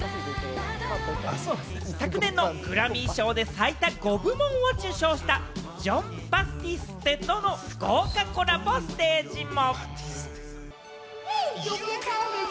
昨年のグラミー賞で最多５部門を受賞したジョン・バティステとの豪華コラボステージも。